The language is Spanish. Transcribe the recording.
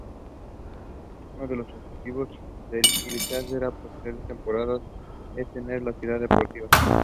Uno de los objetivos del Eibar para posteriores temporadas es tener una Ciudad Deportiva.